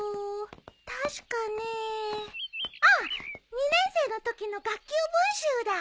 ２年生のときの学級文集だ。